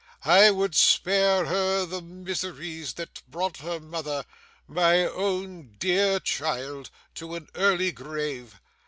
I would spare her the miseries that brought her mother, my own dear child, to an early grave.